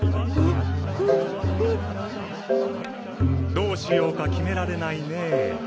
どうしようか決められないねぇ。